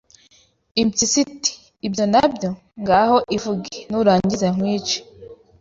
Impyisi iti ibyo na byo, ngaho ivuge, nurangiza nkwice